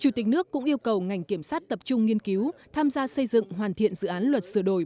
chủ tịch nước cũng yêu cầu ngành kiểm sát tập trung nghiên cứu tham gia xây dựng hoàn thiện dự án luật sửa đổi